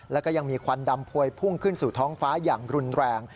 แล้วก็ยังมีควันดำพวยพุ่งขึ้นสู่ท้องฟ้าอย่างรุนแรง